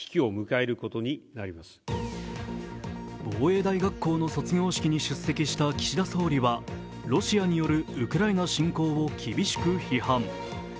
防衛大学校の卒業式に出席した岸田総理はロシアによるウクライナ侵攻を厳しく批判。